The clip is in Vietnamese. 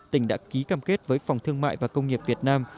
tỉnh đã ký cam kết với phòng thương mại và công nghiệp việt nam